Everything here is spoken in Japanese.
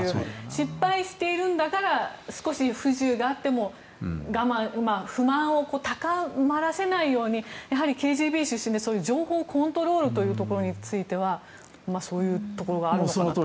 失敗しているんだから少し不自由であっても不満を高まらせないためにＫＧＢ出身で、情報コントロールというところについてはそういうところがあるのかなと。